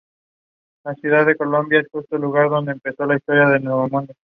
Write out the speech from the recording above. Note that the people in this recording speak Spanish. Marcó el periodo de transición entre la música medieval y renacentista.